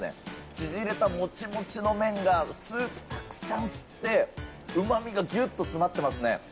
縮れたもちもちの麺がスープたくさん吸って、うまみがぎゅっと詰まってますね。